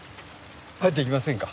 入っていきませんか？